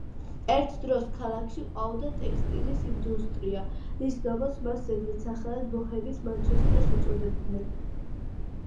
ერთ დროს ქალაქში ყვაოდა ტექსტილის ინდუსტრია, რის გამოც მას ზედმეტსახელად „ბოჰემიის მანჩესტერს“ უწოდებდნენ.